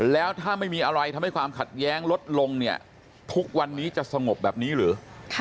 แล้วถ้าไม่มีอะไรทำให้ความขัดแย้งลดลงเนี่ยทุกวันนี้จะสงบแบบนี้หรือ